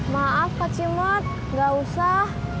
maaf kak simot nggak usah